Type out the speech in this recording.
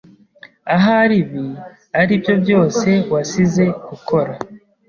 Ahari ibi aribyo byose wasize gukora.